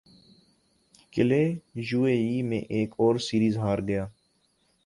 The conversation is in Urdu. قلعے یو اے ای میں ایک اور سیریز ہار گیا